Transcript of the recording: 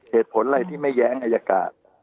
เหตุผลอะไรที่ไม่แย้งอายการ